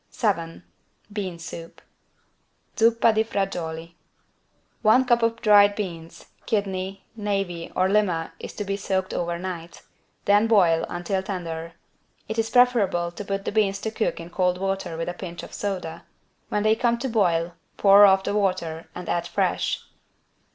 7 BEAN SOUP (Zuppa di fagiuoli) One cup of dried beans, kidney, navy or lima is to be soaked over night. Then boil until tender. It is preferable to put the beans to cook in cold water with a pinch of soda. When they come to boil, pour off this water and add fresh.